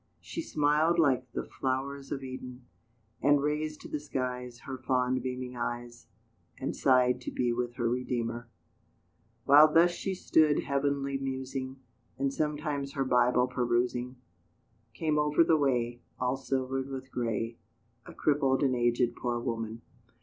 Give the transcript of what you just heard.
She smiled like the flowers of Eden, And raised to the skies Her fond beaming eyes, And sighed to be with her Redeemer While thus she stood heavenly musing, And sometimes her Bible perusing, Came over the way, All silvered with grey, A crippled and aged poor woman.